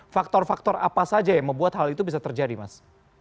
faktor faktor apa saja yang membuat hal itu bisa terjadi mas